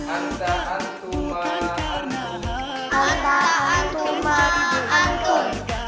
anta antuma antun